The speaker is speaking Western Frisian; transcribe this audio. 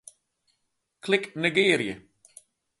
Klik Negearje.